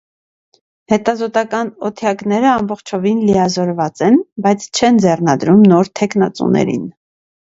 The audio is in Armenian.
Հետազոտական օթյակները ամբողջովին լիազորված են, բայց չեն ձեռնադրում նոր թեկնածուներին։